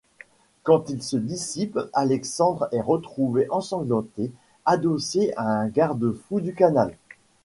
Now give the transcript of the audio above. Quand il se dissipe, Alexandre est retrouvé ensanglanté, adossé à un garde-fou du canal.